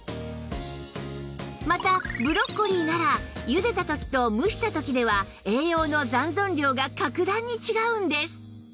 またブロッコリーならゆでた時と蒸した時では栄養の残存量が格段に違うんです